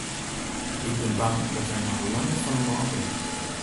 Ik bin bang dat wy noch lang net fan him ôf binne.